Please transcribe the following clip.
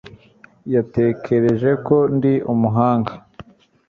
yatekereje ko ndi umuganga